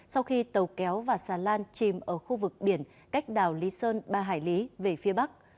sau khi tàu kéo và xà lan chìm ở khu vực biển cách đảo lý sơn ba hải lý về phía bắc